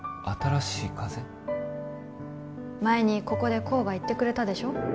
前にここで功が言ってくれたでしょ